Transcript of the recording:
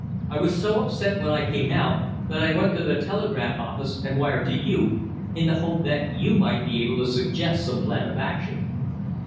I was so upset when I came out that I went to the telegraph office and wired to you, in the hope that you might be able to suggest some plan of action."